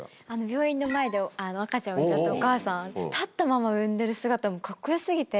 病院の前で赤ちゃんを産んだお母さん、立ったまま産んでる姿、もうかっこよすぎて。